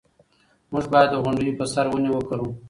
موږ باید د غونډیو په سر ونې وکرو.